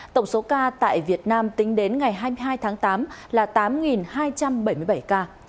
tổng số ca tại việt nam tính đến ngày hai mươi hai tháng tám là tám hai trăm bảy mươi bảy ca